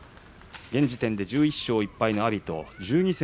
現時点で１１勝１敗の阿炎。